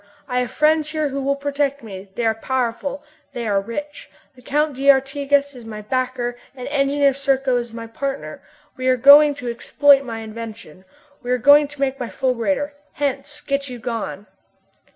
I have friends here who will protect me. They are powerful, they are rich. The Count d'Artigas is my backer and Engineer Serko is my partner. We are going to exploit my invention! We are going to make my fulgurator! Hence! Get you gone!"